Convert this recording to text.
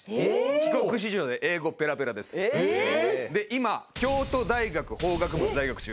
今京都大学法学部在学中。